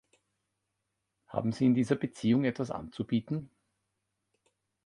Haben Sie in dieser Beziehung etwas anzubieten?